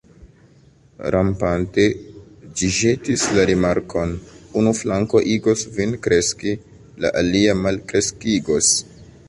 Rampante, ĝi ĵetis la rimarkon: "Unu flanko igos vin kreski, la alia malkreskigos. »